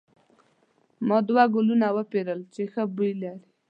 ما دوه ګلونه وپیرل چې ښه بوی لري.